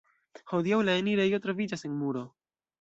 Hodiaŭ la enirejo troviĝas en muro.